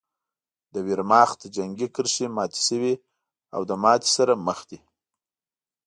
د ویرماخت جنګي کرښې ماتې شوې او له ماتې سره مخ دي